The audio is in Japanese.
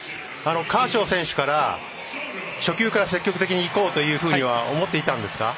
カーショー選手から、初球から積極的にいこうというふうには思っていたんですか？